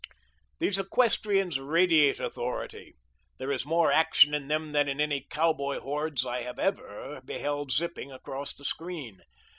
These equestrians radiate authority. There is more action in them than in any cowboy hordes I have ever beheld zipping across the screen.